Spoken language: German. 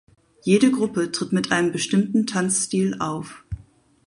Jede Gruppe tritt mit einem bestimmten Tanzstil auf.